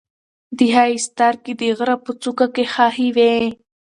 د هغې سترګې د غره په څوکه کې خښې وې.